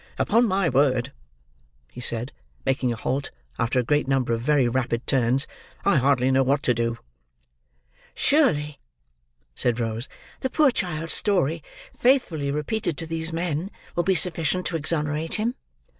"Upon my word," he said, making a halt, after a great number of very rapid turns, "I hardly know what to do." "Surely," said Rose, "the poor child's story, faithfully repeated to these men, will be sufficient to exonerate him."